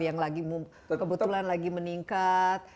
yang lagi kebetulan lagi meningkat